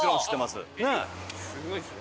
すごいっすね。